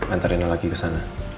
antar rena lagi kesana